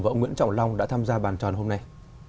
và ông nguyễn trọng long đã tham gia bàn tròn hôm nay